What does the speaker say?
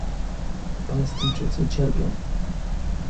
Palestyńczycy cierpią